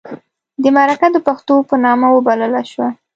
د مرکه د پښتو په نامه وبلله شوه.